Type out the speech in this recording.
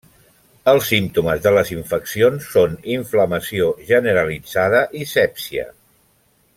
Els símptomes de les infeccions són inflamació generalitzada i sèpsia.